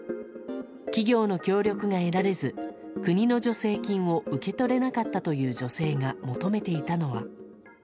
企業の協力が得られず、国の助成金を受け取れなかったという女性が求めていたのは。